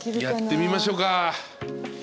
やってみましょうか。